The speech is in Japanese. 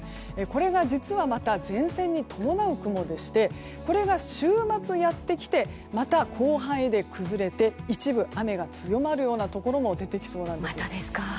これが実はまた前線に伴う雲でしてこれが週末やってきてまた広範囲で崩れて一部、雨が強まるようなところも出てきそうなんです。